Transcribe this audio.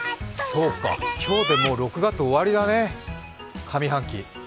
そうか、今日でもう６月終わりだね、上半期。